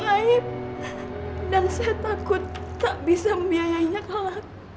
jadi itu sekarang